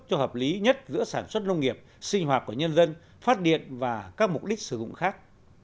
cho hợp lý nhất giữa sản xuất nông nghiệp sinh hoạt của nhân dân phát điện và các mục đích sử dụng khác